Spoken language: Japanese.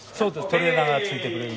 トレーナーがついてくれる。